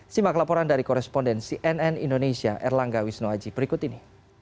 simak laporan dari koresponden cnn indonesia erlangga wisnuaji berikut ini